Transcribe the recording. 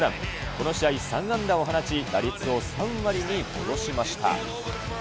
この試合３安打を放ち、打率を３割に戻しました。